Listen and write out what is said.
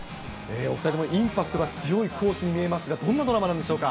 お２人ともインパクトが強い講師に見えますが、どんなドラマなんでしょうか？